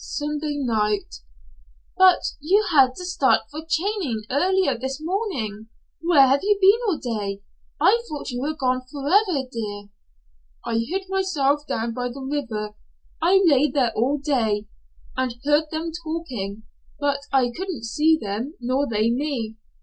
"Sunday night." "But you had to start for Cheyenne early this morning. Where have you been all day? I thought you were gone forever, dear." "I hid myself down by the river. I lay there all day, and heard them talking, but I couldn't see them nor they me.